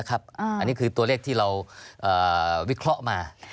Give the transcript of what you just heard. อันนี้คือตัวเลขที่เราวิเคราะห์มา